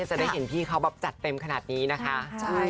จะได้เห็นพี่เขาแบบจัดเต็มขนาดนี้นะคะ